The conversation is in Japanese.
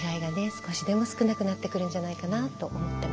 少しでも少なくなってくるんじゃないかなと思ってます。